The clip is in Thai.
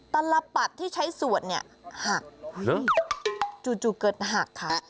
ตลปัดที่ใช้สวดเนี่ยหักจู่เกิดหักค่ะ